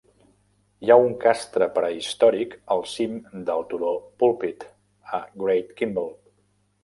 Hi ha un castre prehistòric al cim del turó Pulpit, a Great Kimble.